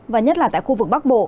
và nhất là tại khu vực bắc bộ